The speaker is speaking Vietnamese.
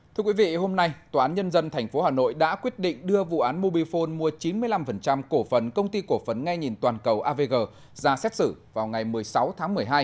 thưa quý vị hôm nay tòa án nhân dân tp hà nội đã quyết định đưa vụ án mobifone mua chín mươi năm cổ phần công ty cổ phấn ngay nhìn toàn cầu avg ra xét xử vào ngày một mươi sáu tháng một mươi hai